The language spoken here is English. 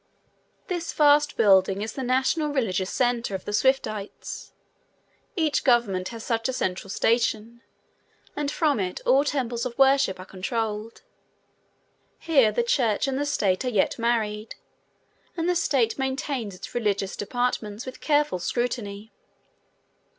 This vast building is the national religious center of the Swiftites. Each government has such a central station, and from it all temples of worship are controlled. Here the church and the state are yet married, and the state maintains its religious departments with careful scrutiny.